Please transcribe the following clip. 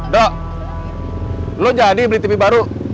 dok lo jadi beli tv baru